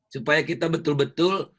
supaya kita betul betul